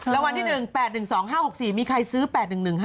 ราวราวราวที่๑๘๑๒๕๖๔มีใครซื้อ๘๑๑๕๖๔คะ